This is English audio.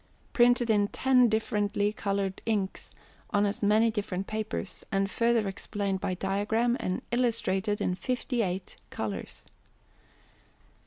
Printed in TEN differently coloured inks on as many different papers, and further explained by diagram and ILLUSTRATED IN FIFTY EIGHT COLOURS.